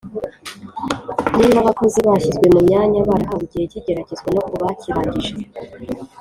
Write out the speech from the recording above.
Niba abakozi bashyizwe mu myanya barahawe igihe cy igeragezwa no kubakirangije